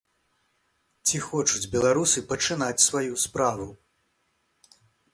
Ці хочуць беларусы пачынаць сваю справу?